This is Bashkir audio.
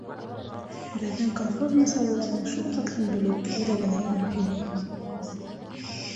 Беҙҙең колхоз мәсьәләләрен шул хәтлем белеп, үҙәгенә инеп һөйләй.